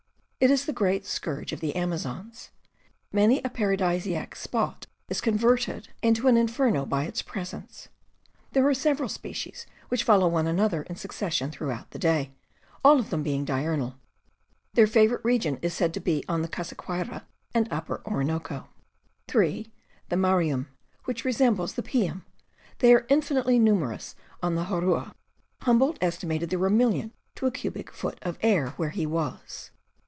It is the great scourge of the Amazons. Many a paradisaic spot is converted into an inferno by its presence. There are several species, which follow one another in suc cession through the day, all of them being diurnal. Their favorite region is said to be on the Cassiquiare and upper Orinoco. (3) The maruim, which resembles the pium. They are infinitely numerous on the Jurua. Humboldt estimated there were a million to a cubic foot of air where he was.